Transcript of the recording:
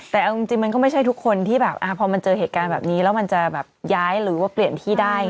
แต่อาจริงก็ไม่ใช่ทุกคนพอมันเจอเหตุการณ์แบบนี้แล้วมันจะย้ายหรือเปลี่ยนที่ได้